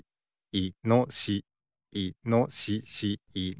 いのしし。